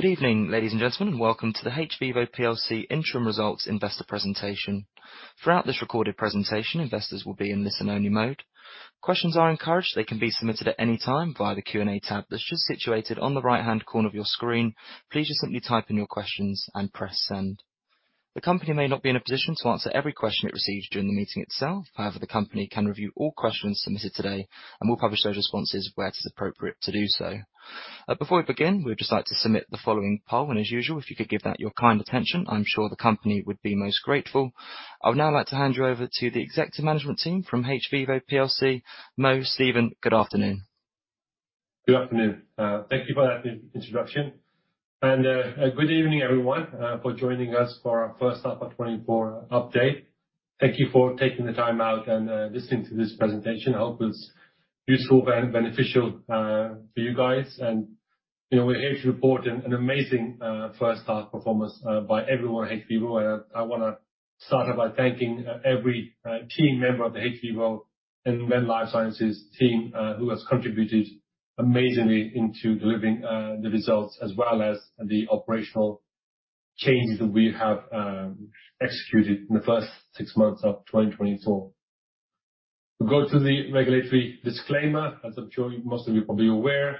Good evening, ladies and gentlemen, and welcome to the hVIVO PLC Interim Results Investor presentation. Throughout this recorded presentation, investors will be in listen-only mode. Questions are encouraged. They can be submitted at any time via the Q&A tab that's just situated on the right-hand corner of your screen. Please just simply type in your questions and press send. The company may not be in a position to answer every question it receives during the meeting itself. However, the company can review all questions submitted today and will publish those responses where it is appropriate to do so. Before we begin, we'd just like to submit the following poll, and as usual, if you could give that your kind attention, I'm sure the company would be most grateful. I would now like to hand you over to the executive management team from hVIVO PLC. Mo, Stephen, good afternoon. Good afternoon. Thank you for that introduction, and good evening, everyone, for joining us for our first half of 2024 update. Thank you for taking the time out and listening to this presentation. I hope it's useful and beneficial for you guys, and you know, we're here to report an amazing first half performance by everyone at hVIVO, and I wanna start off by thanking every team member of the hVIVO and Venn Life Sciences team who has contributed amazingly into delivering the results, as well as the operational changes that we have executed in the first six months of 2024. We'll go to the regulatory disclaimer, as I'm sure most of you are probably aware.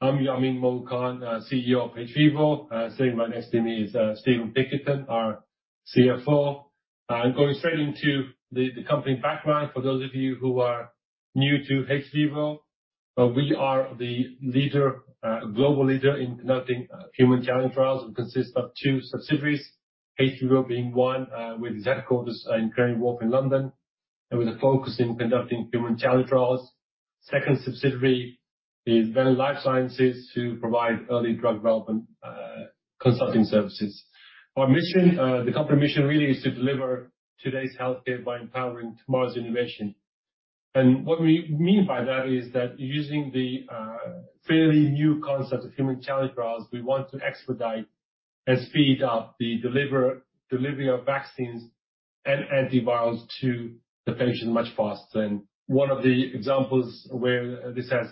I'm Yamin 'Mo' Khan, CEO of hVIVO. Sitting right next to me is Stephen Pinkerton, our CFO. And going straight into the company background, for those of you who are new to hVIVO, we are the leader, global leader in conducting human challenge trials and consists of two subsidiaries, hVIVO being one, with its headquarters in Canary Wharf in London, and with a focus in conducting human challenge trials. Second subsidiary is Venn Life Sciences, who provide early drug development, consulting services. Our mission, the company mission really is to deliver today's healthcare by empowering tomorrow's innovation. And what we mean by that is that using the fairly new concept of human challenge trials, we want to expedite and speed up the delivery of vaccines and antivirals to the patient much faster. And one of the examples where this has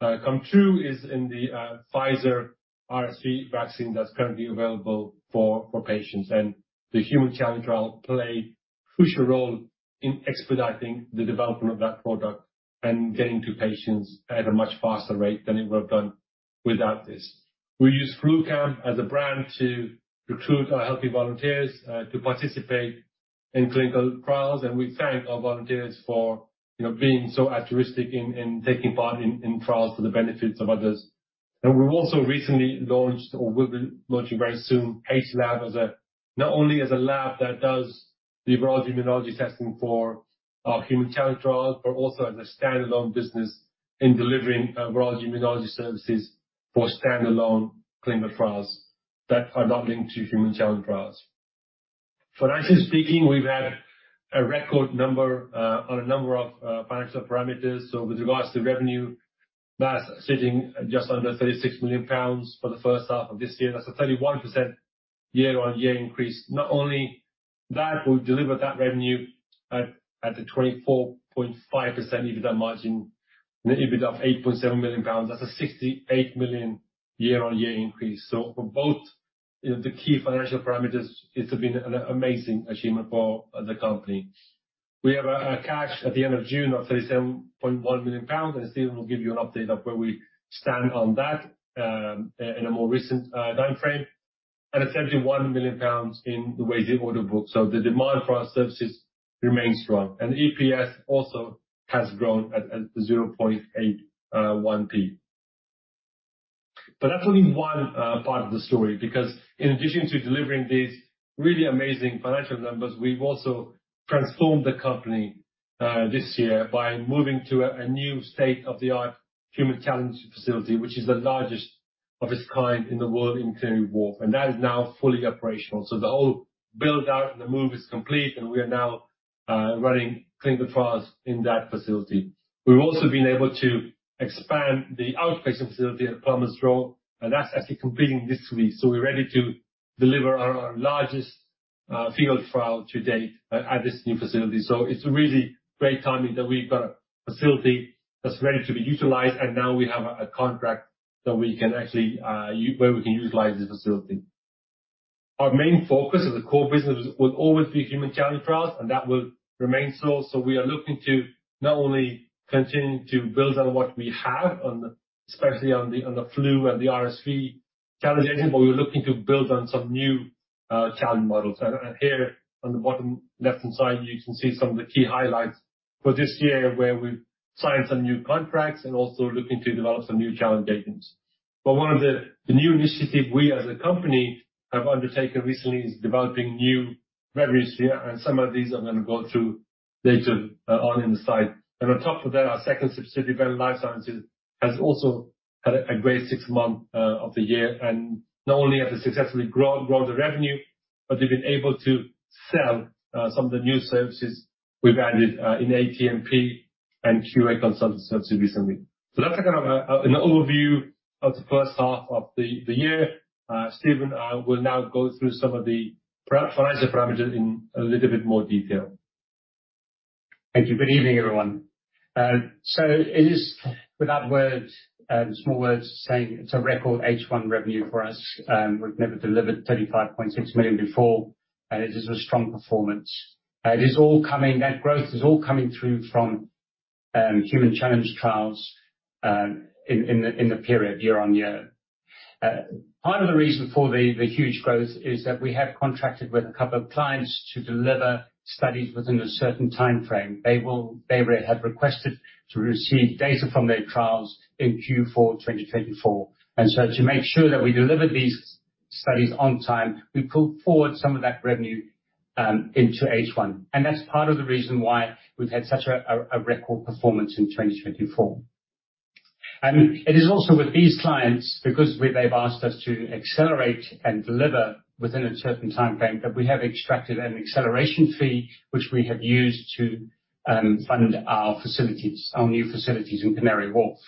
come true is in the Pfizer RSV vaccine that's currently available for patients. And the human challenge trial played crucial role in expediting the development of that product and getting to patients at a much faster rate than it would have done without this. We use FluCamp as a brand to recruit our healthy volunteers to participate in clinical trials, and we thank our volunteers for you know being so altruistic in taking part in trials for the benefits of others. And we've also recently launched, or we'll be launching very soon, hLAB as a not only as a lab that does the broad immunology testing for our human challenge trials, but also as a standalone business in delivering broad immunology services for standalone clinical trials that are not linked to human challenge trials. Financially speaking, we've had a record number on a number of financial parameters. So with regards to revenue, that's sitting at just under 36 million pounds for the first half of this year. That's a 31% year-on-year increase. Not only that, we've delivered that revenue at the 24.5% EBITDA margin, an EBITDA of 8.7 million pounds. That's a 68% year-on-year increase. So for both, you know, the key financial parameters, it's been an amazing achievement for the company. We have cash at the end of June of 37.1 million pounds, and Stephen will give you an update of where we stand on that in a more recent time frame, and it's 71 million pounds in the weighted order book. So the demand for our services remains strong, and EPS also has grown at 0.81p. But that's only one part of the story, because in addition to delivering these really amazing financial numbers, we've also transformed the company this year by moving to a new state-of-the-art human challenge facility, which is the largest of its kind in the world in Canary Wharf, and that is now fully operational. So the whole build-out and the move is complete, and we are now running clinical trials in that facility. We've also been able to expand the outpatient facility at Plumbers Row, and that's actually completing this week. So we're ready to deliver our largest field trial to date at this new facility. So it's really great timing that we've got a facility that's ready to be utilized, and now we have a contract that we can actually where we can utilize this facility. Our main focus as a core business will always be human challenge trials, and that will remain so. We are looking to not only continue to build on what we have on the especially on the flu and the RSV challenges, but we're looking to build on some new challenge models. And here on the bottom left-hand side, you can see some of the key highlights for this year, where we've signed some new contracts and also looking to develop some new challenge agents. But one of the new initiatives we as a company have undertaken recently is developing new revenues here, and some of these I'm gonna go through later on in the slide. And on top of that, our second subsidiary, Venn Life Sciences, has also had a great six months of the year. And not only have they successfully grown the revenue, but they've been able to sell some of the new services we've added in ATMP and QA consultant services recently. So that's kind of an overview of the first half of the year. Stephen will now go through some of the financial parameters in a little bit more detail.... Thank you. Good evening, everyone. So it is, without words, small words, saying it's a record H1 revenue for us. We've never delivered 35.6 million before, and it is a strong performance. That growth is all coming through from human challenge trials in the period year-on-year. Part of the reason for the huge growth is that we have contracted with a couple of clients to deliver studies within a certain time frame. They had requested to receive data from their trials in Q4 2024. So to make sure that we delivered these studies on time, we pulled forward some of that revenue into H1, and that's part of the reason why we've had such a record performance in 2024. And it is also with these clients, because they've asked us to accelerate and deliver within a certain time frame, that we have extracted an acceleration fee, which we have used to fund our facilities, our new facilities in Canary Wharf.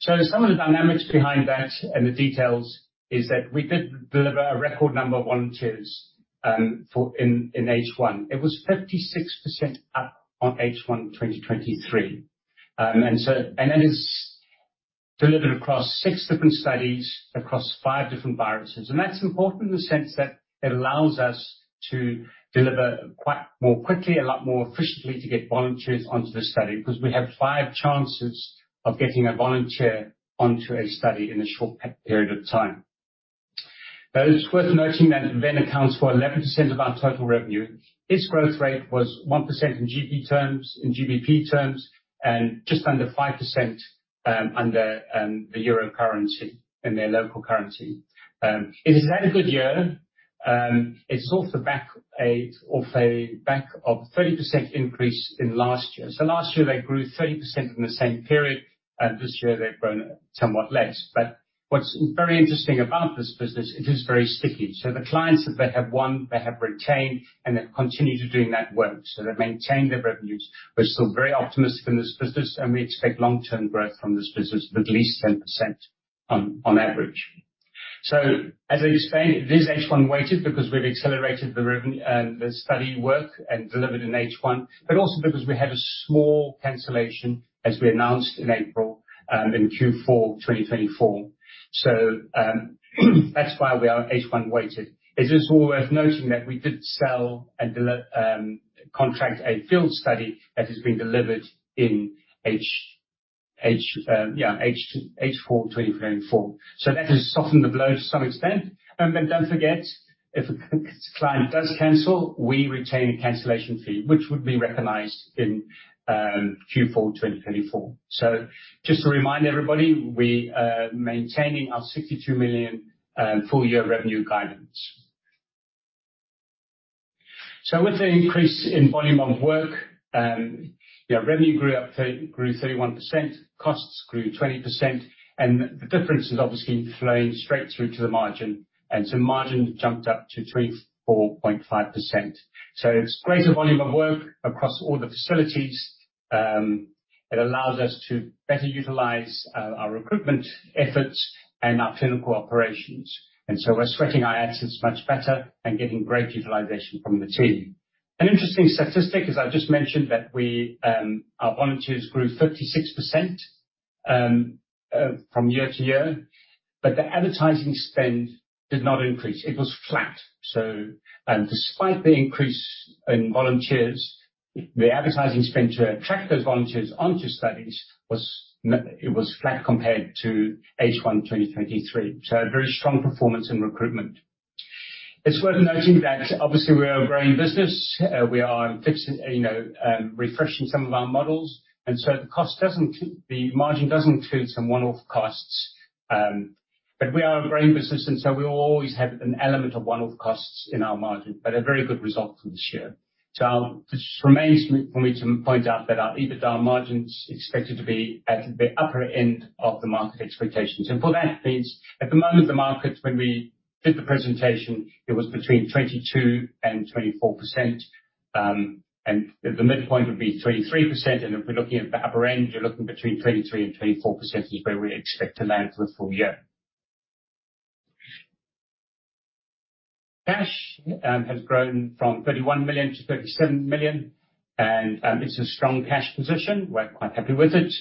So some of the dynamics behind that, and the details, is that we did deliver a record number of volunteers for in H1. It was 56% up on H1 2023. And that is delivered across six different studies, across five different viruses, and that's important in the sense that it allows us to deliver quite more quickly, a lot more efficiently, to get volunteers onto the study, because we have five chances of getting a volunteer onto a study in a short period of time. Now, it's worth noting that Venn accounts for 11% of our total revenue. Its growth rate was 1% in GBP terms, and just under 5% under the euro currency, in their local currency. It has had a good year. It's also off the back of a 30% increase last year. Last year, they grew 30% in the same period, and this year they've grown somewhat less. But what's very interesting about this business, it is very sticky. So the clients that they have won, they have retained, and they've continued to doing that work, so they've maintained their revenues. We're still very optimistic in this business, and we expect long-term growth from this business of at least 10% on average. As I explained, it is H1 weighted because we've accelerated the study work and delivered in H1, but also because we had a small cancellation, as we announced in April, in Q4 2024. That's why we are H1 weighted. It is also worth noting that we did sell and contract a field study that is being delivered in H2 2024. So that has softened the blow to some extent, and then don't forget, if a client does cancel, we retain a cancellation fee, which would be recognized in Q4 2024. Just to remind everybody, we are maintaining our 62 million full year revenue guidance. So with the increase in volume of work, revenue grew 31%, costs grew 20%, and the difference has obviously flowing straight through to the margin, and so margin jumped up to 34.5%. It's greater volume of work across all the facilities. It allows us to better utilize our recruitment efforts and our clinical operations, and so we're sweating our assets much better and getting great utilization from the team. An interesting statistic, as I just mentioned, that we, our volunteers grew 56% from year to year, but the advertising spend did not increase. It was flat. Despite the increase in volunteers, the advertising spend to attract those volunteers onto studies it was flat compared to H1 2023, so a very strong performance in recruitment. It's worth noting that obviously we are a growing business. We are fixing, you know, refreshing some of our models, and so the cost doesn't include, the margin doesn't include some one-off costs. But we are a growing business, and so we will always have an element of one-off costs in our margin, but a very good result for this year. Just remains for me to point out that our EBITDA margin's expected to be at the upper end of the market expectations, and what that means, at the moment, the markets, when we did the presentation, it was between 22% and 24%, and the midpoint would be 23%, and if we're looking at the upper end, you're looking between 23% and 24% is where we expect to land for the full year. Cash has grown from 31 million to 37 million, and it's a strong cash position. We're quite happy with it.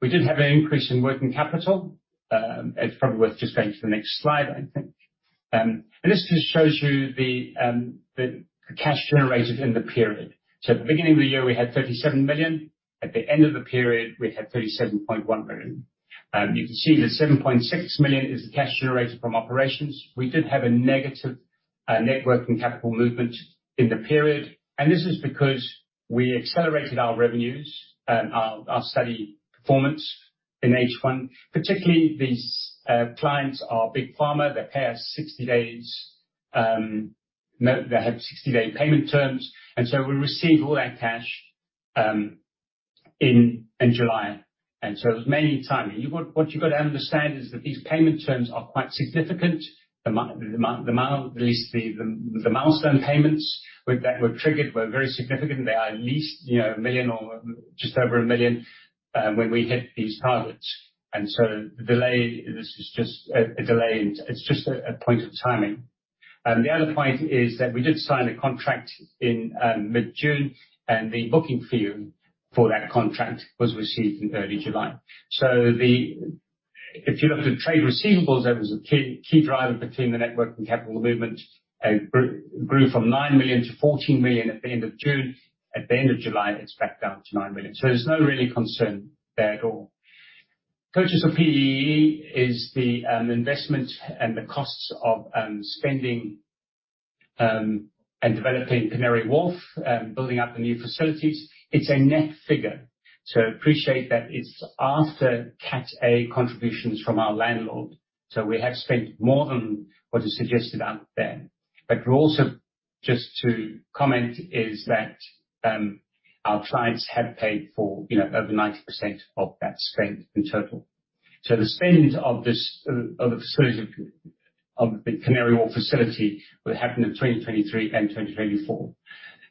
We did have an increase in working capital. It's probably worth just going to the next slide, I think. This just shows you the cash generated in the period. So at the beginning of the year, we had 37 million. At the end of the period, we had 37.1 million. You can see the 7.6 million is the cash generated from operations. We did have a negative net working capital movement in the period, and this is because we accelerated our revenues, our study performance in H1. Particularly these clients are big pharma. They pay us sixty days, no, they have sixty-day payment terms, and so we received all that cash in July, and so it was mainly timing. What you've got to understand is that these payment terms are quite significant. The milestone payments that were triggered were very significant. They are at least, you know, a million or just over a million when we hit these targets, and so the delay. This is just a delay. It's just a point of timing. The other point is that we did sign a contract in mid-June, and the booking fee for that contract was received in early July. So if you look at the trade receivables, that was a key driver between the network and capital movement, and it grew from 9 million to 14 million at the end of June. At the end of July, it's back down to 9 million. So there's no real concern there at all. CapEx is the investment and the costs of spending and developing Canary Wharf, building up the new facilities. It's a net figure, so appreciate that it's after Cat A contributions from our landlord. So we have spent more than what is suggested out there. But we're also just to comment is that our clients have paid for, you know, over 90% of that spend in total. So the spend of this, of the facilities of, of the Canary Wharf facility will happen in 2023 and 2024. But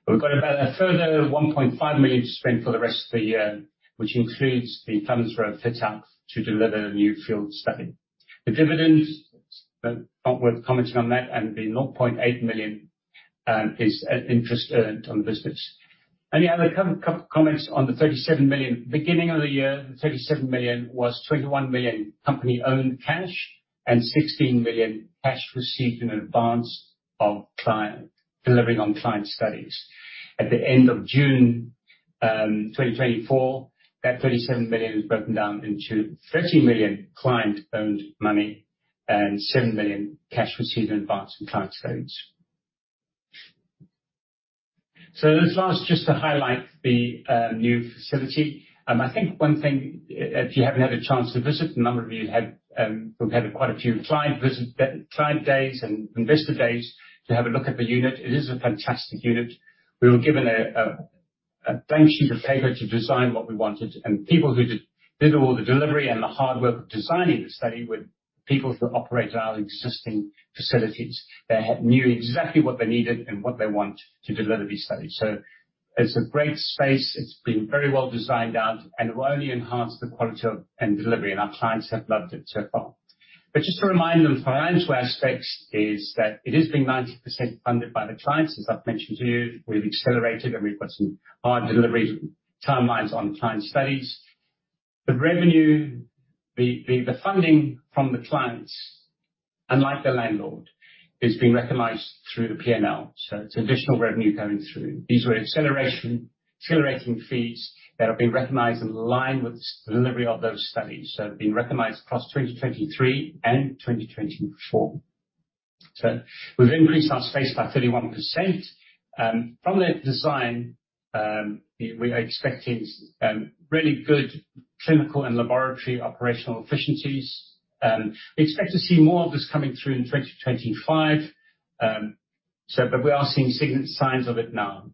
we've got about a further 1.5 million to spend for the rest of the year, which includes the Plumbers Row fit-out to deliver a new field study. The dividend, not worth commenting on that, and the 0.8 million is an interest earned on the business. And the other comments on the 37 million. Beginning of the year, the 37 million was 21 million company-owned cash, and 16 million cash received in advance of client delivering on client studies. At the end of June 2024, that 37 million was broken down into 30 million client-owned money and 7 million cash received in advance from client studies. So this last, just to highlight the new facility. I think one thing, if you haven't had a chance to visit, a number of you have. We've had quite a few client visits, client days and investor days to have a look at the unit. It is a fantastic unit. We were given a blank sheet of paper to design what we wanted, and people who did all the delivery and the hard work of designing the study were people who operate our existing facilities. They knew exactly what they needed and what they want to deliver these studies. So it's a great space. It's been very well designed out, and it will only enhance the quality of and delivery, and our clients have loved it so far. Just to remind them, financial aspects is that it is being 90% funded by the clients, as I've mentioned to you. We've accelerated and we've got some hard delivery timelines on client studies. The revenue, the funding from the clients, unlike the landlord, is being recognized through the P&L, so it's additional revenue coming through. These were accelerating fees that have been recognized in line with the delivery of those studies. So they've been recognized across 2023 and 2024. So we've increased our space by 31%. From the design, we are expecting really good clinical and laboratory operational efficiencies. We expect to see more of this coming through in 2025, so but we are seeing signs of it now.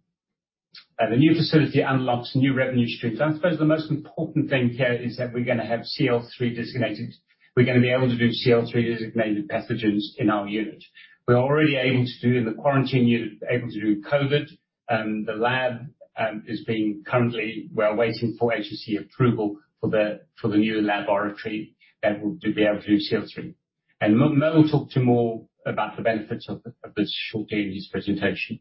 The new facility unlocks new revenue streams. I suppose the most important thing here is that we're gonna have CL3 designated. We're gonna be able to do CL3 designated pathogens in our unit. We're already able to do the quarantine unit, able to do COVID, and the lab is currently being. We're waiting for agency approval for the new laboratory that will be able to do CL3. Mo will talk to you more about the benefits of this shortly in his presentation.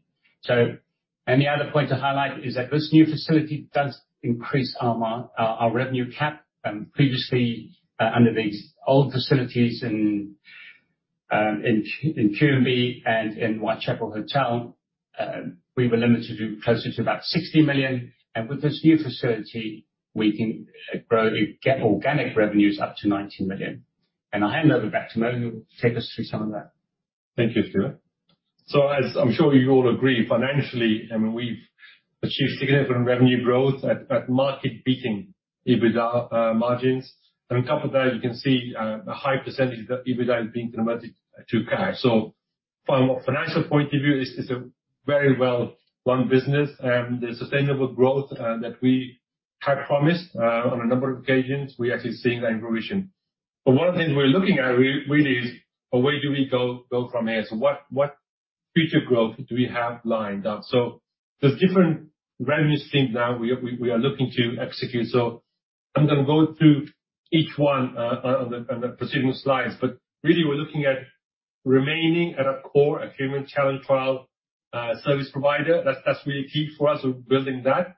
The other point to highlight is that this new facility does increase our revenue cap. Previously, under the old facilities in QMB and in Whitechapel Hotel, we were limited to closer to about 60 million, and with this new facility, we can grow, get organic revenues up to 90 million. I'll hand over back to Mo, who will take us through some of that. Thank you, Stephen. So as I'm sure you all agree, financially, I mean, we've achieved significant revenue growth at market-beating EBITDA margins. And on top of that, you can see a high percentage of that EBITDA has been converted to cash. So from a financial point of view, it's a very well-run business, and the sustainable growth that we had promised on a number of occasions, we're actually seeing that in provision. But one of the things we're looking at really is, where do we go from here? So what future growth do we have lined up? So there's different revenue streams now we are looking to execute. So I'm gonna go through each one on the preceding slides. But really, we're looking at remaining at our core, a human challenge trial service provider. That's really key for us, so building that.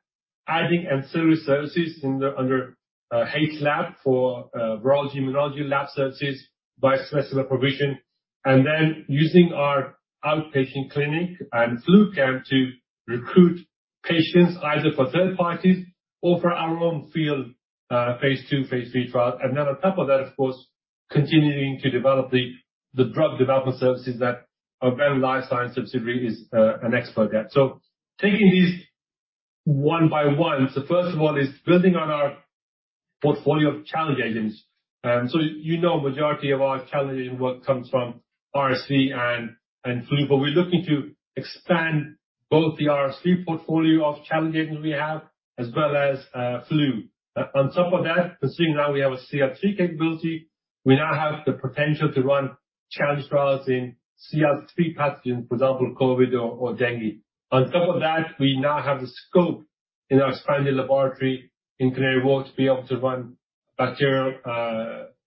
Adding ancillary services under hLAB for virology, immunology, lab services by specialist provision, and then using our outpatient clinic and FluCamp to recruit patients, either for third parties or for our own field, phase two, phase three trial. And then on top of that, of course, continuing to develop the drug development services that our Venn Life Sciences subsidiary is an expert at. So taking these one by one, so first of all is building on our portfolio of challenge agents. So you know, majority of our challenge agent work comes from RSV and flu, but we're looking to expand both the RSV portfolio of challenge agents we have, as well as flu. On top of that, considering now we have a CL3 capability, we now have the potential to run challenge trials in CL3 pathogens, for example, COVID or dengue. On top of that, we now have the scope in our expanded laboratory in Canary Wharf to be able to run bacterial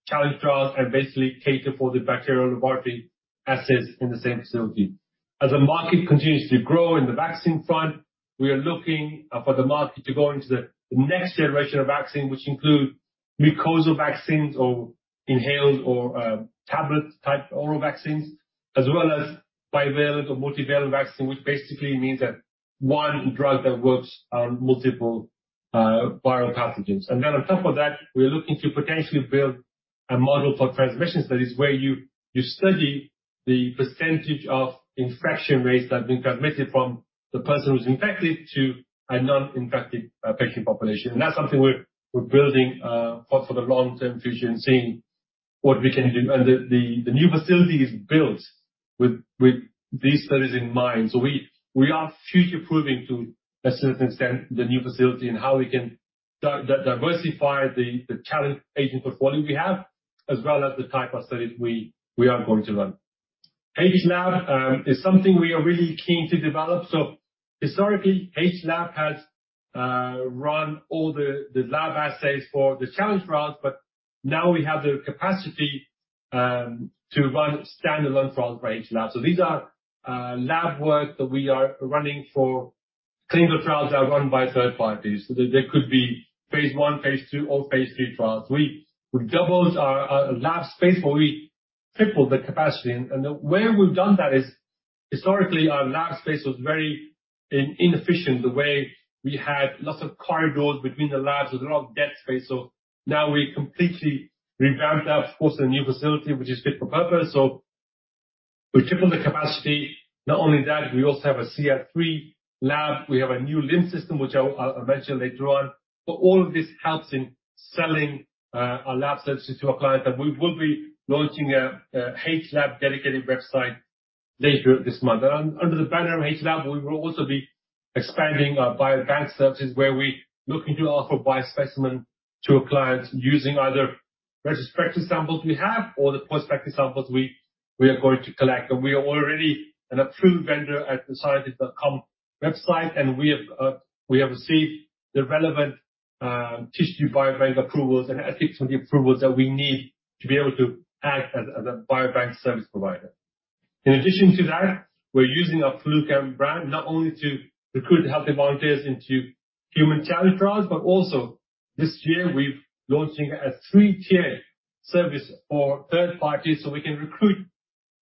challenge trials and basically cater for the bacterial laboratory assays in the same facility. As the market continues to grow in the vaccine front, we are looking for the market to go into the next generation of vaccine, which include mucosal vaccines or inhaled or tablet-type oral vaccines, as well as bivalent or multivalent vaccine, which basically means that one drug that works on multiple viral pathogens. On top of that, we are looking to potentially build a model for transmission studies, where you study the percentage of infection rates that have been transmitted from the person who's infected to a non-infected patient population. That's something we're building for the long-term vision, seeing what we can do. The new facility is built with these studies in mind. We are future-proofing to a certain extent the new facility and how we can diversify the challenge agent portfolio we have, as well as the type of studies we are going to run. hLAB is something we are really keen to develop. Historically, hLAB has run all the lab assays for the challenge trials, but now we have the capacity to run standalone trials for hLAB. These are lab work that we are running for clinical trials that are run by third parties, so there could be phase one, phase two, or phase three trials. We doubled our lab space, but we tripled the capacity. The way we've done that is, historically, our lab space was very inefficient, the way we had lots of corridors between the labs, there was a lot of dead space. Now we completely revamped that, of course, in the new facility, which is fit for purpose. We tripled the capacity. Not only that, we also have a CL3 lab. We have a new LIMS system, which I'll mention later on. But all of this helps in selling our lab services to our clients, that we will be launching a hLAB dedicated website later this month. Under the banner of hLAB, we will also be expanding our biobank services, where we're looking to offer biospecimen to our clients, using either retrospective samples we have or the prospective samples we are going to collect. We are already an approved vendor at the Scientist.com website, and we have received the relevant tissue biobank approvals and ethics review approvals that we need to be able to act as a biobank service provider. In addition to that, we're using our FluCamp brand, not only to recruit healthy volunteers into human challenge trials, but also this year we're launching a three-tier service for third parties, so we can recruit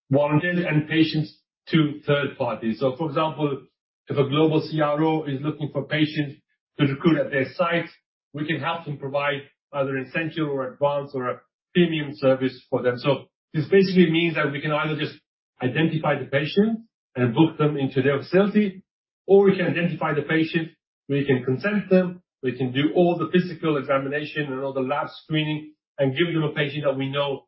volunteers and patients to third parties. For example, if a global CRO is looking for patients to recruit at their sites, we can help them provide either incentive or advance or a premium service for them. So this basically means that we can either just identify the patients and book them into their facility, or we can identify the patient, we can consent them, we can do all the physical examination and all the lab screening, and give them a patient that we know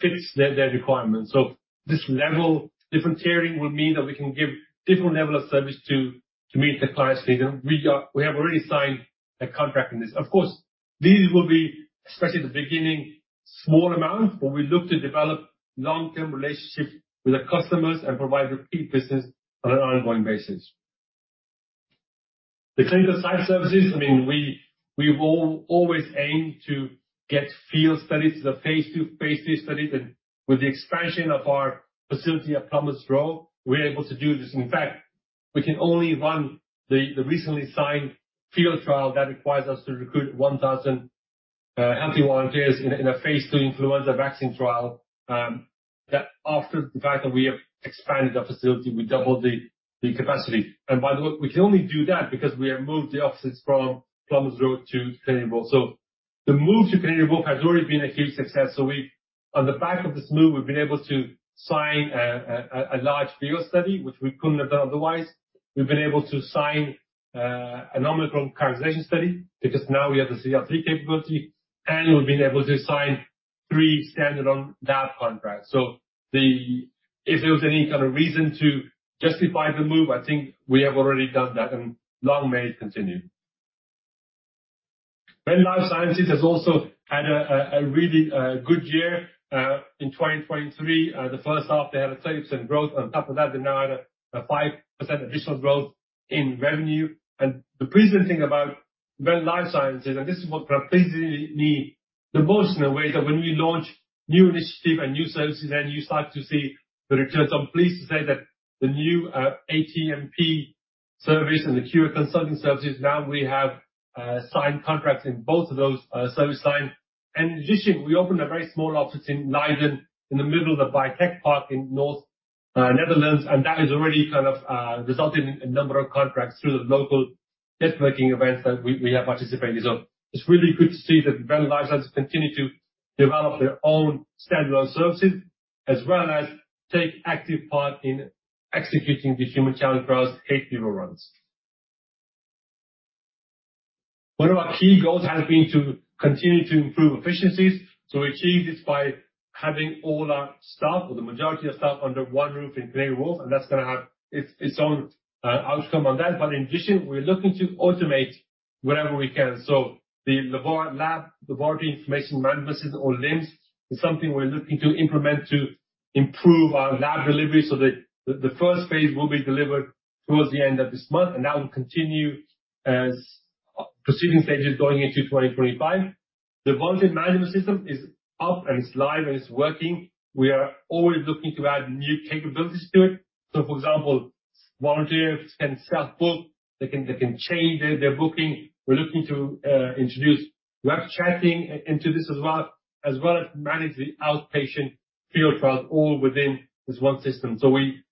fits their requirements. So this level, different tiering, will mean that we can give different level of service to meet the client's needs. We have already signed a contract in this. Of course, these will be, especially the beginning, small amounts, but we look to develop long-term relationships with our customers and provide repeat business on an ongoing basis. The clinical site services, I mean, we've always aimed to get field studies to the phase two, phase three studies, and with the expansion of our facility at Plumbers Row, we're able to do this. In fact, we can only run the recently signed field trial that requires us to recruit one thousand healthy volunteers in a phase two influenza vaccine trial, that after the fact that we have expanded our facility, we doubled the capacity. And by the way, we can only do that because we have moved the offices from Plumbers Row to Canary Wharf. The move to Canary Wharf has already been a huge success. On the back of this move, we've been able to sign a large field study, which we couldn't have done otherwise. We've been able to sign an Omicron characterization study, because now we have the CL3 capability, and we've been able to sign three standard on that contract. So if there was any kind of reason to justify the move, I think we have already done that, and long may it continue. Venn Life Sciences has also had a really good year in 2023. The first half, they had a 30% growth. On top of that, they now had a 5% additional growth in revenue. The pleasing thing about Venn Life Sciences, and this is what pleases me the most in a way, is that when we launch new initiatives and new services and you start to see the returns, I'm pleased to say that the new ATMP service and the QA consulting services, now we have signed contracts in both of those service line. In addition, we opened a very small office in Leiden, in the middle of the Biotech Park in north Netherlands, and that has already kind of resulted in a number of contracts through the local networking events that we have participated in. It's really good to see that Venn Life Sciences continue to develop their own standalone services, as well as take active part in executing the human challenge trials hVIVO runs. One of our key goals has been to continue to improve efficiencies, so we achieve this by having all our staff, or the majority of staff, under one roof in Canary Wharf, and that's gonna have its own outcome on that. But in addition, we're looking to automate wherever we can. So the laboratory information management system or LIMS is something we're looking to implement to improve our lab delivery so that the first phase will be delivered towards the end of this month, and that will continue as proceeding stages going into 2025. The volunteer management system is up, and it's live, and it's working. We are always looking to add new capabilities to it. So, for example, volunteers can self-book, they can change their booking. We're looking to introduce web chatting into this as well as manage the outpatient field trials all within this one system. So we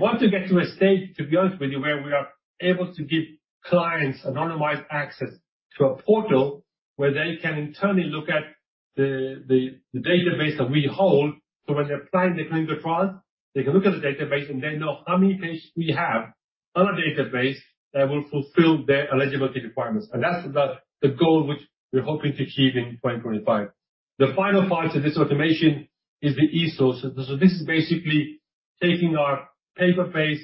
want to get to a stage, to be honest with you, where we are able to give clients anonymized access to a portal, where they can internally look at the database that we hold. So when they're planning the clinical trial, they can look at the database, and they know how many patients we have on our database that will fulfill their eligibility requirements and that's the goal which we're hoping to achieve in twenty twenty-five. The final part of this automation is the eSource. So this is basically taking our paper-based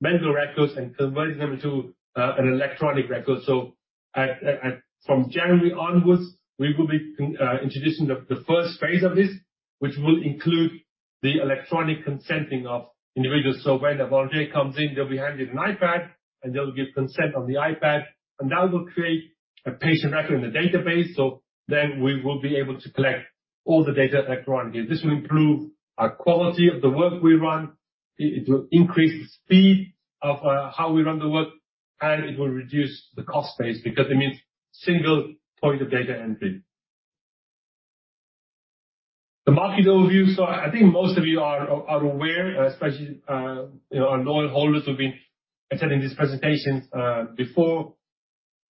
medical records and converting them into an electronic record. From January onwards, we will be introducing the first phase of this, which will include the electronic consenting of individuals. When the volunteer comes in, they'll be handed an iPad, and they'll give consent on the iPad, and that will create a patient record in the database, so then we will be able to collect all the data electronically. This will improve our quality of the work we run. It will increase the speed of how we run the work, and it will reduce the cost base because it means single point of data entry. The market overview. I think most of you are aware, especially you know, our loyal holders who've been attending these presentations before.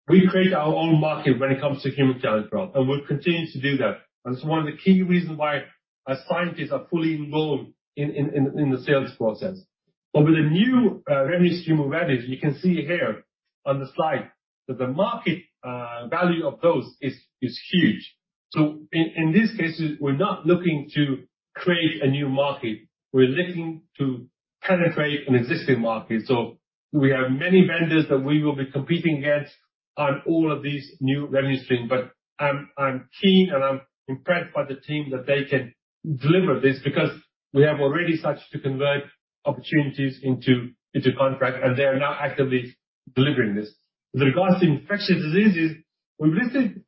We create our own market when it comes to human challenge trials, and we'll continue to do that. It's one of the key reasons why our scientists are fully involved in the sales process. With the new revenue stream of webinars, you can see here on the slide that the market value of those is huge. In this case, we're not looking to create a new market. We're looking to penetrate an existing market. We have many vendors that we will be competing against on all of these new revenue streams, but I'm keen and I'm impressed by the team that they can deliver this, because we have already started to convert opportunities into contracts, and they are now actively delivering this. With regards to infectious diseases, we've listed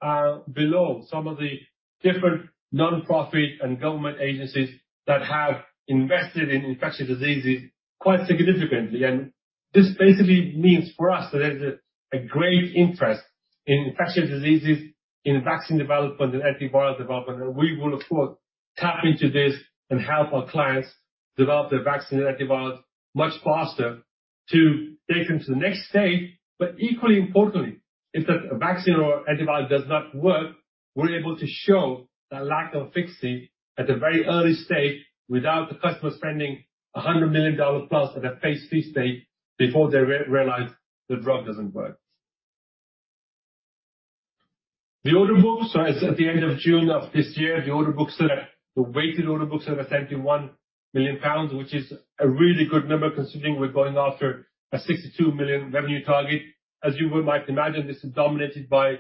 below some of the different nonprofit and government agencies that have invested in infectious diseases quite significantly. This basically means for us that there's a great interest in infectious diseases, in vaccine development and antiviral development, and we will, of course, tap into this and help our clients develop their vaccine and antiviral much faster to take them to the next stage. But equally importantly, if the vaccine or antiviral does not work, we're able to show the lack of efficacy at a very early stage, without the customer spending $100 million plus at a phase III stage before they realize the drug doesn't work. The order book. So as at the end of June of this year, the order book set at the weighted order books are at 71 million pounds, which is a really good number, considering we're going after a 62 million GBP revenue target. As you well might imagine, this is dominated by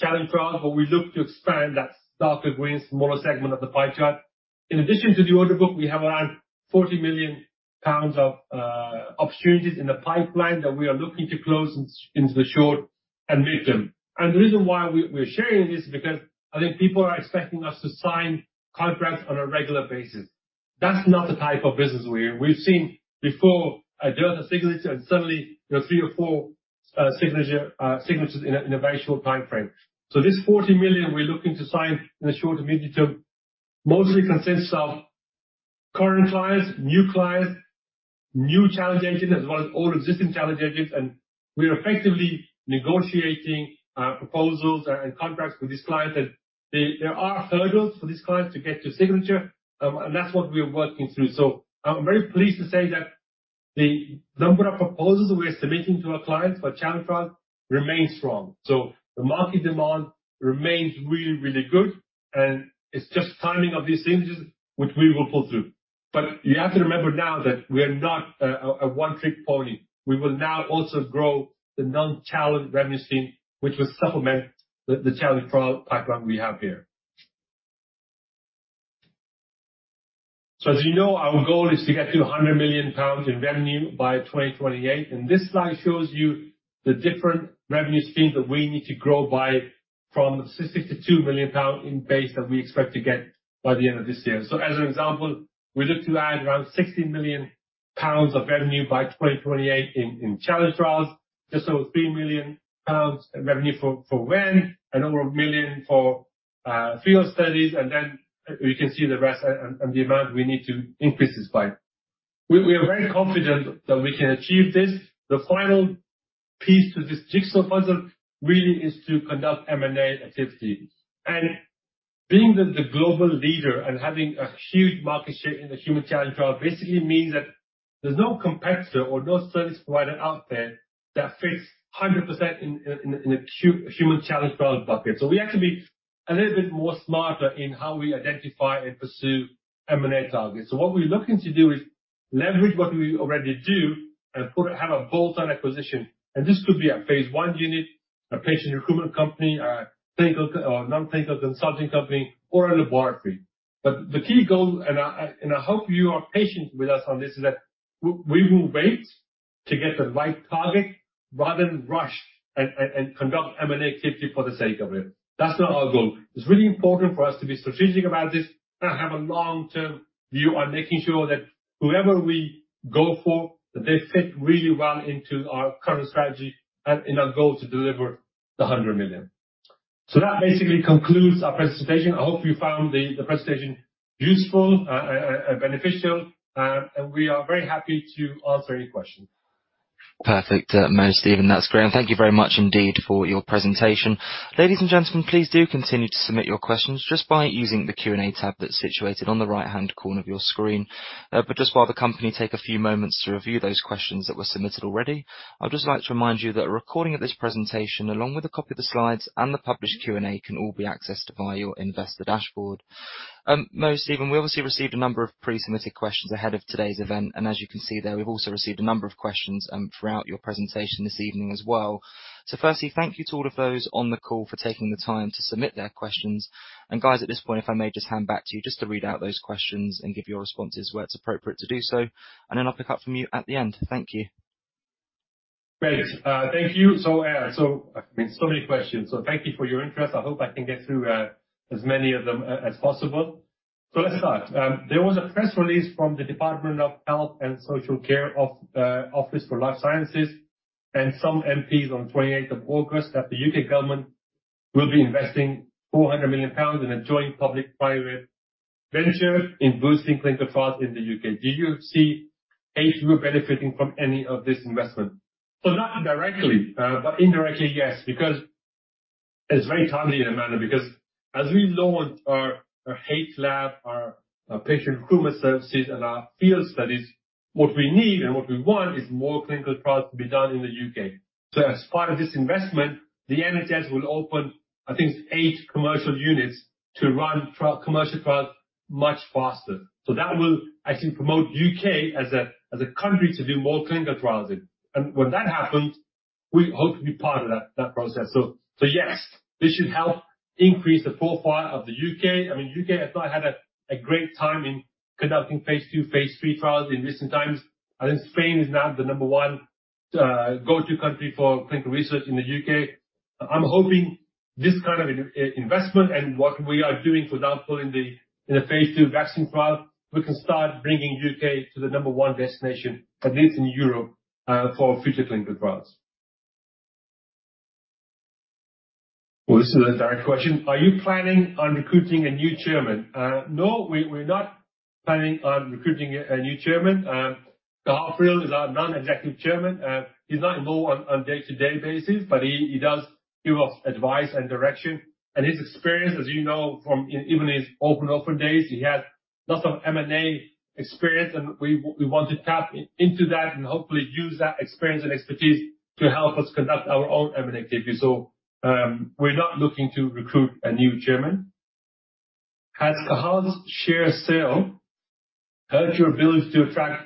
challenge trials, but we look to expand that darker green, smaller segment of the pie chart. In addition to the order book, we have around 40 million pounds of opportunities in the pipeline that we are looking to close into the short and medium, and the reason why we're sharing this is because I think people are expecting us to sign contracts on a regular basis. That's not the type of business we are. We've seen before I do the signature, and suddenly there are three or four signatures in a very short time frame. This 40 million we're looking to sign in the short to medium term mostly consists of current clients, new clients, new challenge agents, as well as all existing challenge agents, and we are effectively negotiating proposals and contracts with these clients that there are hurdles for these clients to get to signature, and that's what we're working through. I'm very pleased to say that the number of proposals we are submitting to our clients for challenge trials remains strong. The market demand remains really, really good, and it's just timing of these things which we will pull through. You have to remember now that we are not a one-trick pony. We will now also grow the non-challenge revenue stream, which will supplement the challenge trial pipeline we have here. As you know, our goal is to get to 100 million pounds in revenue by 2028, and this slide shows you the different revenue streams that we need to grow by from 62 million pounds in base that we expect to get by the end of this year. As an example, we look to add around 60 million pounds of revenue by 2028 in challenge trials, just over 3 million pounds revenue for Venn, and over 1 million for field studies, and then you can see the rest and the amount we need to increase this by. We are very confident that we can achieve this. The final piece to this jigsaw puzzle really is to conduct M&A activities. Being that the global leader and having a huge market share in the human challenge trial, basically means that there's no competitor or no service provider out there that fits 100% in a human challenge trial bucket. We have to be a little bit more smarter in how we identify and pursue M&A targets. What we're looking to do is leverage what we already do and have a bolt-on acquisition. This could be a phase one unit, a patient recruitment company, a clinical or non-clinical consulting company, or a laboratory. The key goal, and I hope you are patient with us on this, is that we will wait to get the right target rather than rush and conduct M&A activity for the sake of it. That's not our goal. It's really important for us to be strategic about this and have a long-term view on making sure that whoever we go for, that they fit really well into our current strategy and in our goal to deliver the hundred million. So that basically concludes our presentation. I hope you found the presentation useful, beneficial, and we are very happy to answer any questions. Perfect, Mo, Stephen, that's great, and thank you very much indeed for your presentation. Ladies and gentlemen, please do continue to submit your questions just by using the Q&A tab that's situated on the right-hand corner of your screen. But just while the company take a few moments to review those questions that were submitted already, I'd just like to remind you that a recording of this presentation, along with a copy of the slides and the published Q&A, can all be accessed via your investor dashboard. Mo, Stephen, we obviously received a number of pre-submitted questions ahead of today's event, and as you can see there, we've also received a number of questions, throughout your presentation this evening as well. So firstly, thank you to all of those on the call for taking the time to submit their questions. Guys, at this point, if I may just hand back to you just to read out those questions and give your responses where it's appropriate to do so, and then I'll pick up from you at the end. Thank you. Great. Thank you. So, so, I mean, so many questions, so thank you for your interest. I hope I can get through as many of them as possible. So let's start. There was a press release from the Department of Health and Social Care Office for Life Sciences, and some MPs on twenty-eighth of August, that the U.K. government will be investing 400 million pounds in a joint public-private venture in boosting clinical trials in the U.K. Do you see hVIVO benefiting from any of this investment? So not directly, but indirectly, yes, because it's very timely in a manner, because as we launched our hLAB, our patient recruitment services and our field studies, what we need and what we want is more clinical trials to be done in the U.K. So, as part of this investment, the NHS will open, I think, eight commercial units to run clinical trials much faster. So that will actually promote the U.K. as a country to do more clinical trials in. And when that happens, we hope to be part of that process. So, yes, this should help increase the profile of the U.K. I mean, the U.K., I thought, had a great time in conducting phase two, phase three trials in recent times. I think Spain is now the number one go-to country for clinical research in the U.K. I'm hoping this kind of investment and what we are doing, for example, in the phase two vaccine trial, we can start bringing the U.K. to the number one destination, at least in Europe, for future clinical trials. This is a direct question: Are you planning on recruiting a new chairman? No, we're not planning on recruiting a new chairman. Cathal Friel is our Non-Executive Chairman. He's not involved on a day-to-day basis, but he does give us advice and direction. And his experience, as you know, from even his open offer days, he has lots of M&A experience, and we want to tap into that and hopefully use that experience and expertise to help us conduct our own M&A activity. So, we're not looking to recruit a new chairman. Has Cathal's share sale hurt your ability to attract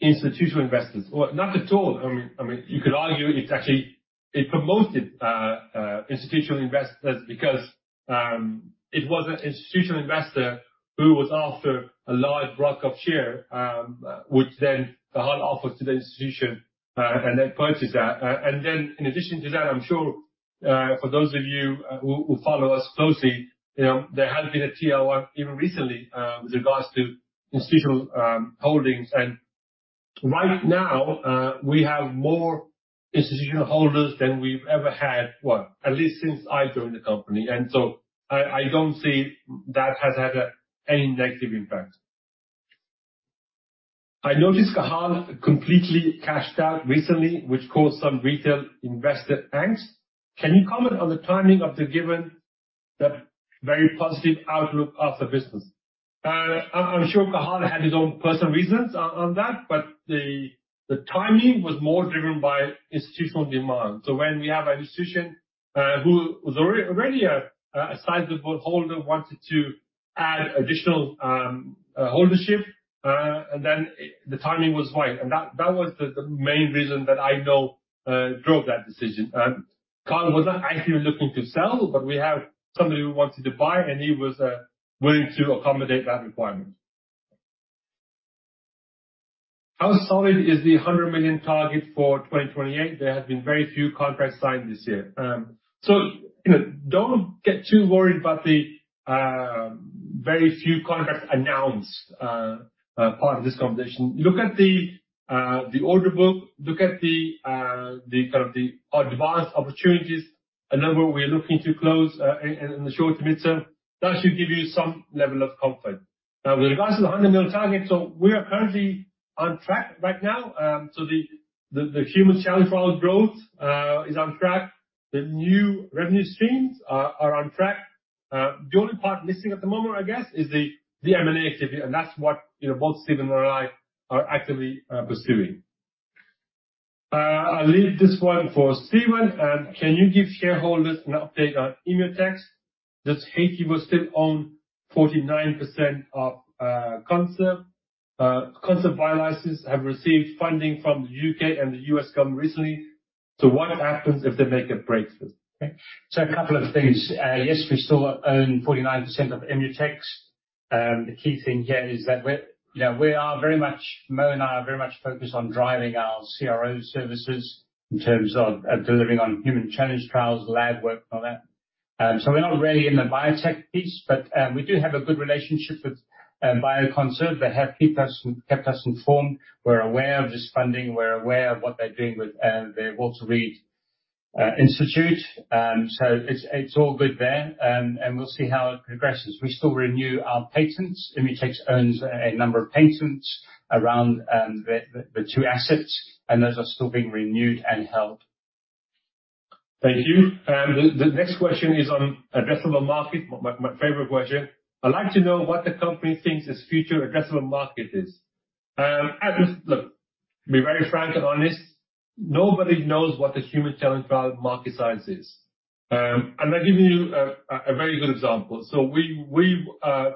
institutional investors? Not at all. I mean, you could argue it's actually... It promoted institutional investors because it was an institutional investor who was after a large block of share, which then Cathal offered to the institution, and they purchased that. And then in addition to that, I'm sure for those of you who follow us closely, you know, there had been a TR-1 even recently with regards to institutional holdings. And right now we have more institutional holders than we've ever had. Well, at least since I joined the company. And so I don't see that has had any negative impact. I noticed Cathal completely cashed out recently, which caused some retail investor angst. Can you comment on the timing, given the very positive outlook of the business? I'm sure Cathal had his own personal reasons on that, but the timing was more driven by institutional demand. So when we have an institution who was already a sizable holder wanted to add additional holdership and then the timing was right. And that was the main reason that I know drove that decision. Cathal was not actually looking to sell, but we had somebody who wanted to buy, and he was willing to accommodate that requirement. How solid is the £100 million target for 2028? There have been very few contracts signed this year. So, you know, don't get too worried about the very few contracts announced part of this conversation. Look at the order book. Look at the, the kind of the advanced opportunities, a number we're looking to close, in the short to midterm. That should give you some level of comfort. Now, with regards to the 100 million target, we are currently on track right now. The human challenge trials growth is on track. The new revenue streams are on track. The only part missing at the moment, I guess, is the M&A activity, and that's what, you know, both Stephen and I are actively pursuing. I'll leave this one for Stephen. Can you give shareholders an update on Imutex? Does hVIVO will still own 49 percent of ConserV? ConserV Bioscience have received funding from the U.K. and the U.S. government recently, so what happens if they make a breakthrough? A couple of things. Yes, we still own 49% of Imutex. The key thing here is that we're, you know, we are very much, Mo and I are very much focused on driving our CRO services in terms of delivering on human challenge trials, lab work, and all that, so we're not really in the biotech piece, but we do have a good relationship with ConserV Bioscience. They have kept us informed. We're aware of this funding. We're aware of what they're doing with the Walter Reed Institute. It's all good there. We'll see how it progresses. We still renew our patents. Imutex owns a number of patents around the two assets, and those are still being renewed and held. Thank you. The next question is on addressable market, my favorite question. I'd like to know what the company thinks its future addressable market is. Look, to be very frank and honest, nobody knows what the human challenge trial market size is, and I'll give you a very good example. So we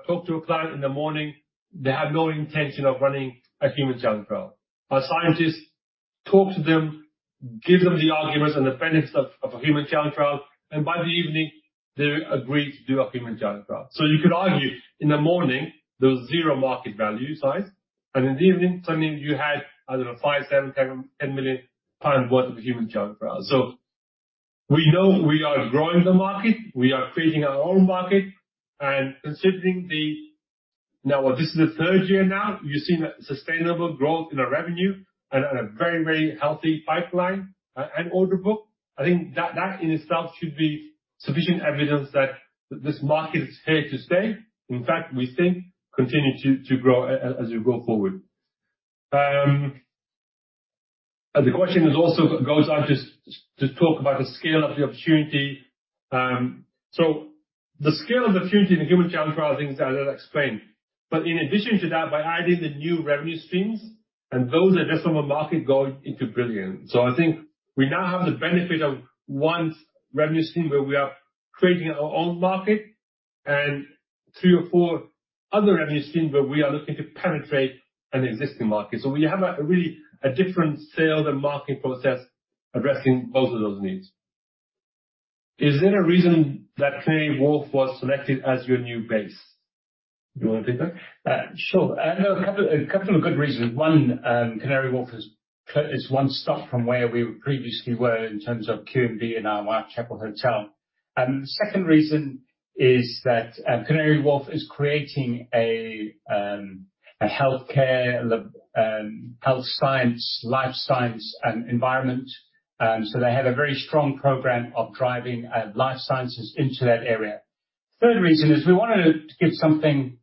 talked to a client in the morning, they had no intention of running a human challenge trial. Our scientists talked to them, gave them the arguments and the benefits of a human challenge trial, and by the evening, they agreed to do a human challenge trial. So you could argue, in the morning, there was zero market value size, and in the evening, suddenly you had, I don't know, 5 million, 7 million, 10 million pounds worth of human challenge trial. So we know we are growing the market, we are creating our own market, and considering the... Now, this is the third year now, we've seen a sustainable growth in our revenue and a very, very healthy pipeline and order book. I think that in itself should be sufficient evidence that this market is here to stay. In fact, we think continue to grow as we go forward. And the question also goes on to talk about the scale of the opportunity. So the scale of the opportunity in the human challenge trial, I think, as I explained, but in addition to that, by adding the new revenue streams and those addressable market going into billions. So I think we now have the benefit of one revenue stream, where we are creating our own market, and three or four other revenue streams, where we are looking to penetrate an existing market. So we have a really different sales and marketing process addressing both of those needs. Is there a reason that Canary Wharf was selected as your new base? You wanna take that? Sure. There are a couple, a couple of good reasons. One, Canary Wharf is one stop from where we previously were in terms of QMB and our Whitechapel Hotel. And the second reason is that, Canary Wharf is creating a healthcare, health science, life science, environment. So they have a very strong program of driving life sciences into that area. Third reason is we wanted to give something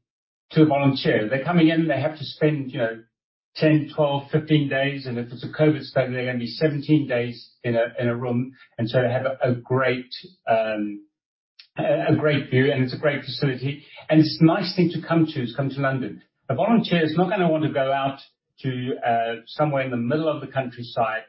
to a volunteer. They're coming in, they have to spend, you know, ten, twelve, fifteen days, and if it's a COVID study, they're gonna be seventeen days in a room. And so to have a great, a great view, and it's a great facility, and it's a nice thing to come to, is come to London. A volunteer is not gonna want to go out to, somewhere in the middle of the countryside,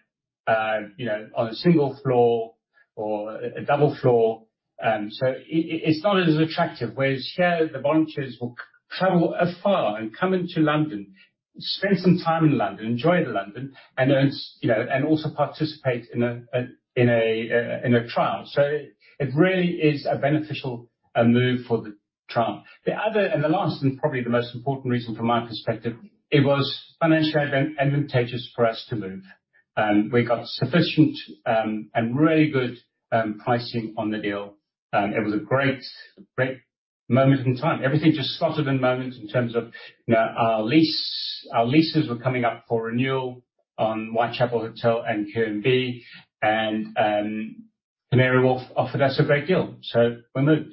you know, on a single floor or a double floor. So it's not as attractive, whereas here, the volunteers will travel afar and come into London, spend some time in London, enjoy London, and, you know, and also participate in a trial. So it really is a beneficial move for the trial. The other, and the last, and probably the most important reason from my perspective, it was financially advantageous for us to move, and we got sufficient, and really good, pricing on the deal. It was a great, great moment in time. Everything just slotted in moment in terms of, you know, our lease. Our leases were coming up for renewal on Whitechapel Hotel and QMB, and Canary Wharf offered us a great deal, so we moved.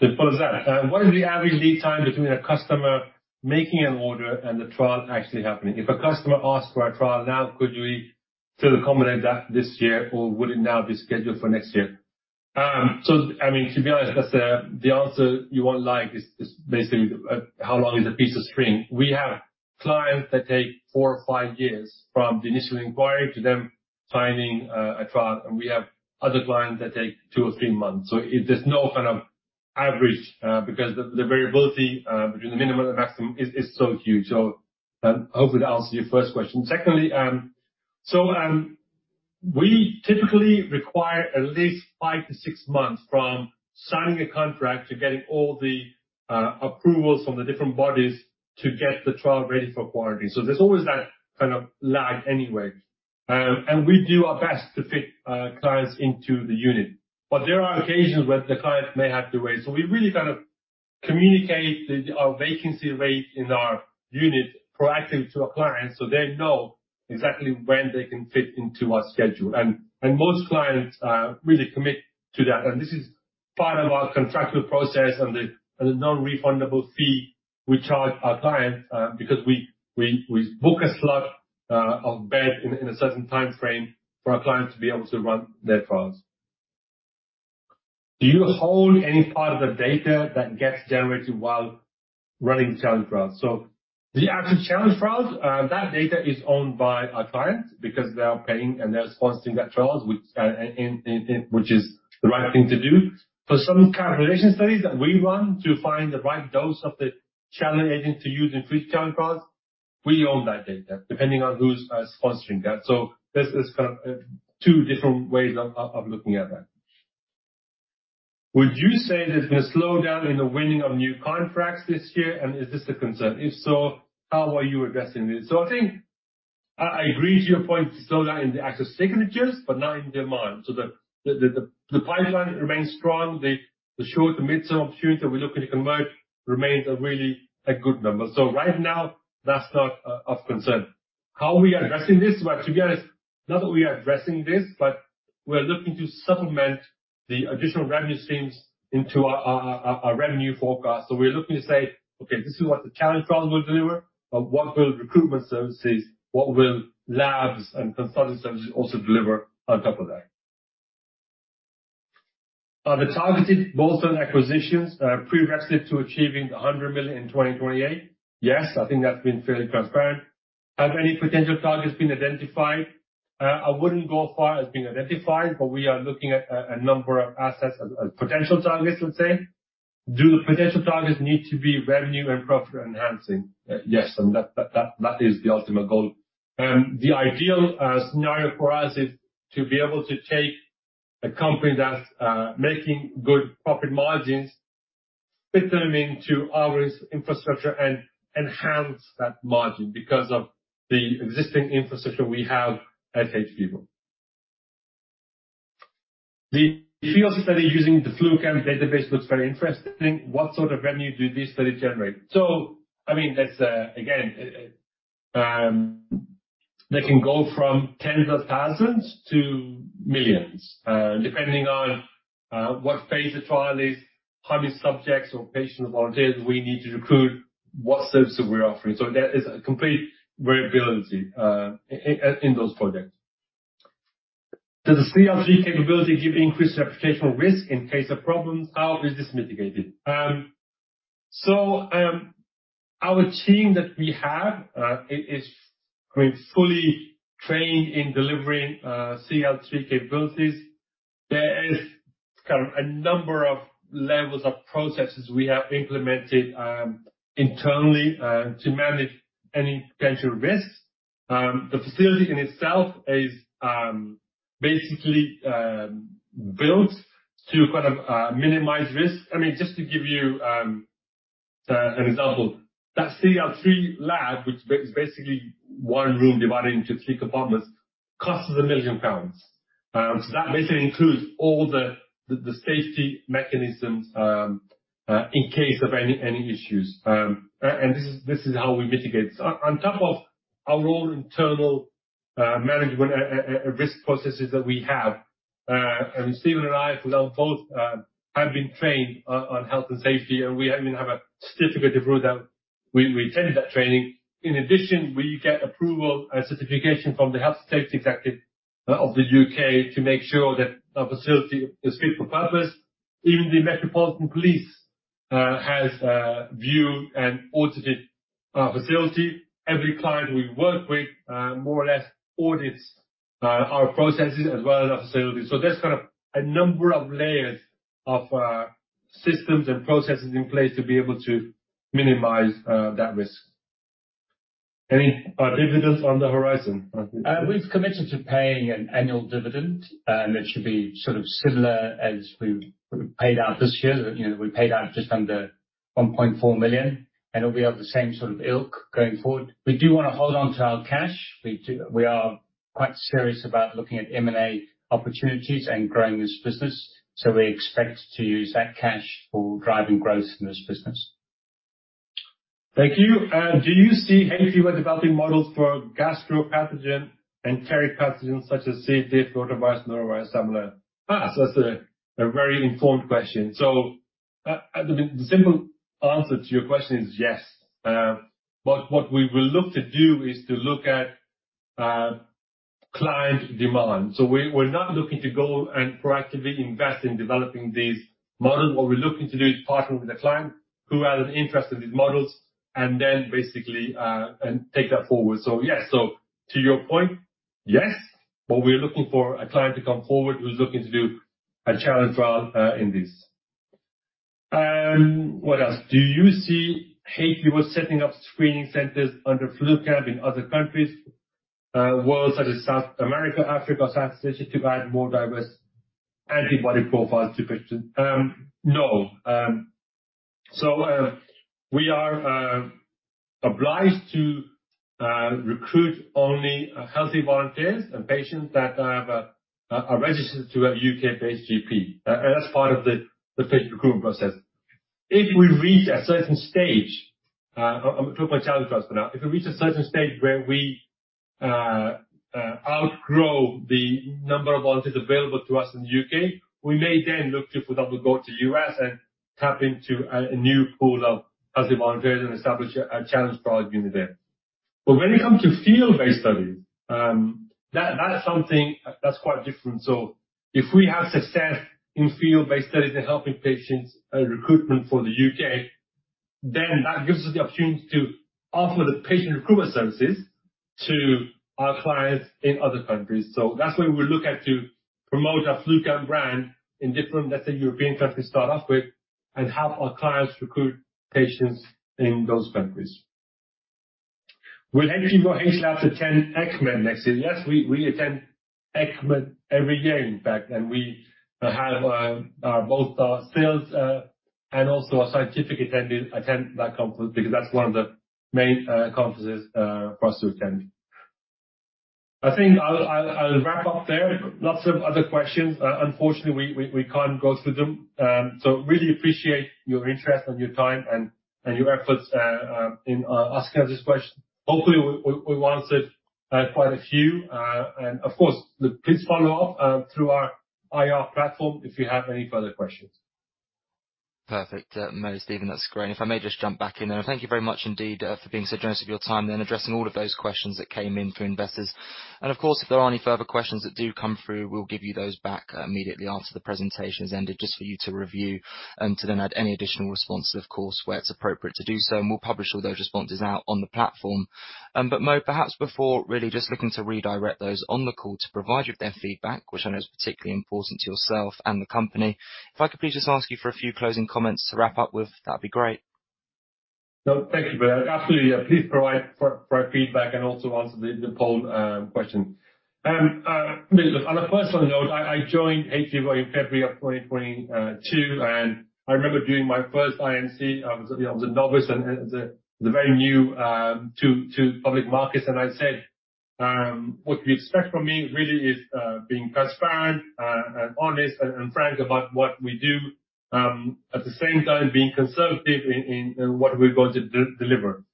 To follow that, what is the average lead time between a customer making an order and the trial actually happening? If a customer asks for a trial now, could we still accommodate that this year, or would it now be scheduled for next year? I mean, to be honest, that's the answer you won't like is basically how long is a piece of string? We have clients that take four or five years from the initial inquiry to them signing a trial, and we have other clients that take two or three months. There's no kind of average because the variability between the minimum and maximum is so huge. Hopefully that answers your first question. Secondly, we typically require at least five to six months from signing a contract to getting all the approvals from the different bodies to get the trial ready for quarantine. There's always that kind of lag anyway. We do our best to fit clients into the unit, but there are occasions where the client may have to wait. We really kind of communicate our vacancy rate in our unit proactively to our clients, so they know exactly when they can fit into our schedule. Most clients really commit to that, and this is part of our contractual process and the non-refundable fee we charge our clients, because we book a slot, a bed in a certain timeframe for our clients to be able to run their trials. Do you hold any part of the data that gets generated while running the challenge trials? The actual challenge trials, that data is owned by our clients, because they are paying and they're sponsoring that trial, which is the right thing to do. For some kind of relation studies that we run to find the right dose of the challenge agent to use in future challenge trials, we own that data, depending on who's sponsoring that. There's kind of two different ways of looking at that. Would you say there's been a slowdown in the winning of new contracts this year, and is this a concern? If so, how are you addressing this? So I think I agree to your point, slowdown in the actual signatures, but not in demand. So the pipeline remains strong. The short to mid-term opportunities that we're looking to convert remains a really good number. So right now, that's not of concern. How are we addressing this? Well, to be honest, not that we are addressing this, but we are looking to supplement the additional revenue streams into our revenue forecast. We're looking to say, "Okay, this is what the challenge trials will deliver, but what will recruitment services, what will labs and consulting services also deliver on top of that?" Are the targeted bolt-on acquisitions prerequisite to achieving the £100 million in 2028? Yes, I think that's been fairly transparent. Have any potential targets been identified? I wouldn't go as far as being identified, but we are looking at a number of assets as potential targets, I'd say. Do the potential targets need to be revenue and profit-enhancing? Yes, and that is the ultimate goal. The ideal scenario for us is to be able to take a company that's making good profit margins, fit them into our infrastructure and enhance that margin because of the existing infrastructure we have at hVIVO. The feasibility study using the FluCamp database looks very interesting. What sort of revenue do these studies generate? So I mean, that's, again, they can go from tens of thousands to millions, depending on, what phase the trial is, how many subjects or patient volunteers we need to recruit, what services we're offering. So there is a complete variability, in those projects. Does the CL3 capability give increased reputational risk in case of problems? How is this mitigated? So, our team that we have, is, I mean, fully trained in delivering, CL3 capabilities. There is kind of a number of levels of processes we have implemented, internally, to manage any potential risks. The facility in itself is, basically, built to kind of, minimize risk. I mean, just to give you an example, that CL3 lab, which is basically one room divided into three compartments, costs 1 million pounds. So that basically includes all the safety mechanisms in case of any issues. This is how we mitigate. On top of our own internal management risk processes that we have, I mean, Stephen and I, for now, both have been trained on health and safety, and we even have a certificate of proof that we attended that training. In addition, we get approval and certification from the Health and Safety Executive of the U.K. to make sure that our facility is fit for purpose. Even the Metropolitan Police has viewed and audited our facility. Every client we work with more or less audits our processes as well as our facilities. So there's kind of a number of layers of systems and processes in place to be able to minimize that risk. Any dividends on the horizon? We've committed to paying an annual dividend, and it should be sort of similar as we paid out this year. You know, we paid out just under 1.4 million, and it'll be of the same sort of ilk going forward. We do wanna hold on to our cash. We are quite serious about looking at M&A opportunities and growing this business, so we expect to use that cash for driving growth in this business. Thank you. Do you see hVIVO developing models for gastrointestinal pathogens and enteric pathogens such as C. diff, rotavirus, norovirus, similar? So that's a very informed question. So the simple answer to your question is yes. But what we will look to do is to look at client demand. So we're not looking to go and proactively invest in developing these models. What we're looking to do is partner with a client who has an interest in these models, and then basically and take that forward. So yes. So to your point, yes, but we're looking for a client to come forward who's looking to do a challenge trial in this. What else? Do you see hVIVO setting up screening centers under FluCamp in other countries, worlds such as South America, Africa, South Asia, to add more diverse antibody profiles to question? No. So, we are obliged to recruit only healthy volunteers and patients that are registered to a U.K.-based GP. That's part of the patient recruitment process. If we reach a certain stage, I'm talking about challenge trials for now. If we reach a certain stage where we outgrow the number of volunteers available to us in the U.K., we may then look to further go to U.S. and tap into a new pool of healthy volunteers and establish a challenge trial unit there. But when it comes to field-based studies, that's something that's quite different. So if we have success in field-based studies in helping patients recruitment for the U.K., then that gives us the opportunity to offer the patient recruitment services to our clients in other countries. So that's where we look at to promote our FluCamp brand in different, let's say, European countries to start off with, and help our clients recruit patients in those countries. "Will hVIVO hLAB attend ESCMID next year?" Yes, we attend ESCMID every year, in fact, and we have both our sales and also our scientific attendees attend that conference, because that's one of the main conferences for us to attend. I think I'll wrap up there. Lots of other questions, unfortunately we can't go through them. So really appreciate your interest and your time and your efforts in asking us these questions. Hopefully we answered quite a few, and of course please follow up through our IR platform if you have any further questions. Perfect, Mo, Stephen, that's great, and if I may just jump back in, and thank you very much indeed for being so generous with your time, and addressing all of those questions that came in through investors, and, of course, if there are any further questions that do come through, we'll give you those back immediately after the presentation has ended, just for you to review, and to then add any additional responses, of course, where it's appropriate to do so, and we'll publish all those responses out on the platform. But Mo, perhaps before really just looking to redirect those on the call to provide you with their feedback, which I know is particularly important to yourself and the company, if I could please just ask you for a few closing comments to wrap up with, that'd be great. No, thank you, but absolutely, yeah, please provide for feedback and also answer the poll question. On a personal note, I joined hVIVO in February of twenty twenty-two, and I remember during my first IMC, I was, you know, a novice and very new to public markets, and I said what you expect from me really is being transparent and honest and frank about what we do, at the same time, being conservative in what we're going to deliver.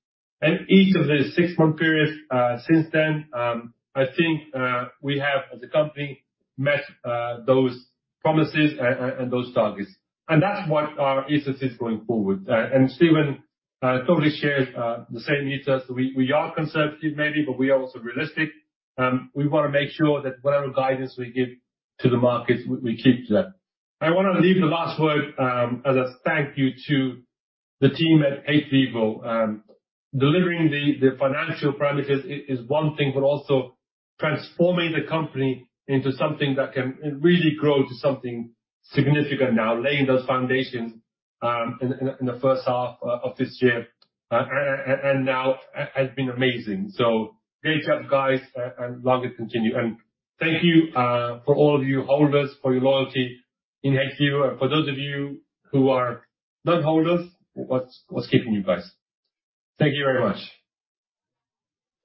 And each of the six-month periods since then, I think we have, as a company, met those promises and those targets, and that's what our essence is going forward, and Stephen totally shares the same essence. We are conservative maybe, but we are also realistic. We wanna make sure that whatever guidance we give to the markets, we keep to that. I wanna leave the last word as a thank you to the team at hVIVO. Delivering the financial parameters is one thing, but also transforming the company into something that can really grow to something significant now, laying those foundations in the first half of this year, and now has been amazing. So great job, guys, and long may it continue. And thank you for all of you holders, for your loyalty in hVIVO. And for those of you who are not holders, what's keeping you guys? Thank you very much.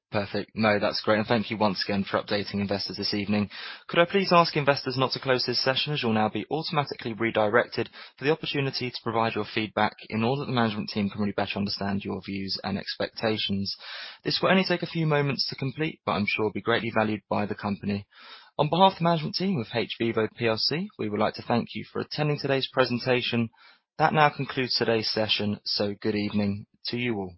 Perfect. Mo, that's great, and thank you once again for updating investors this evening. Could I please ask investors not to close this session, as you'll now be automatically redirected for the opportunity to provide your feedback, in order that the management team can really better understand your views and expectations. This will only take a few moments to complete, but I'm sure it'll be greatly valued by the company. On behalf of the management team of hVIVO PLC, we would like to thank you for attending today's presentation. That now concludes today's session, so good evening to you all.